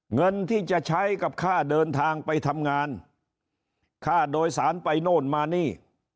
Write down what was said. เงินที่จะใช้กับค่าเดินทางไปทำงานค่าโดยสารไปโน่นมานี่